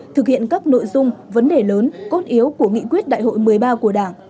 thực hiện các nội dung vấn đề lớn cốt yếu của nghị quyết đại hội một mươi ba của đảng